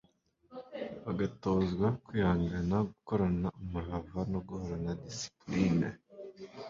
bagatozwa kwihangana, gukorana umurava no guhorana disipuline.